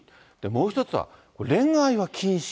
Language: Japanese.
もう一つは恋愛は禁止。